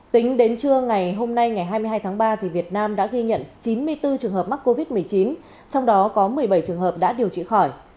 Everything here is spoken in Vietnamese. tính đến trưa ngày hôm nay ngày hai mươi hai tháng ba việt nam đã ghi nhận chín mươi bốn trường hợp mắc covid một mươi chín trong đó có một mươi bảy trường hợp đã điều trị khỏi